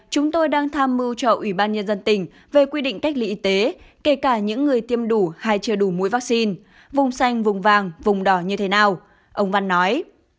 chúng tôi đang tham mưu cho ủy ban nhân dân tỉnh về quy định cách ly y tế kể cả những người tiêm đủ hay chưa đủ mũi vaccine vùng xanh vùng vàng vùng đỏ như thế nào ông văn nói